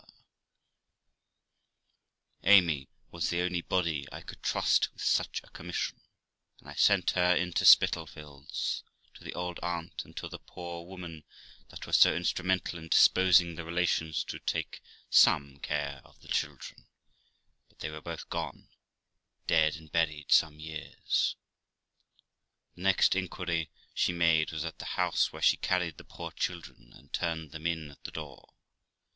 THE LIFE OF ROXANA 30$ Amy was the only body I could trust with such a commission, and I sent her into Spitalfields, to the old aunt and to the poor woman that were so instrumental in disposing the relations to take some care of the children, but they were both gone, dead and buried some years. The next inquiry she made was at the house where she carried the poor children, and turned them in at the door.